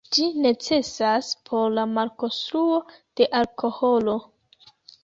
Ĝi necesas por la malkonstruo de alkoholo.